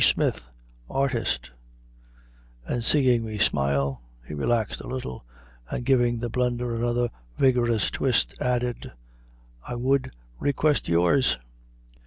Smith, artist;" and, seeing me smile, he relaxed a little, and, giving the blender another vigorous twist, added, "I would request yours."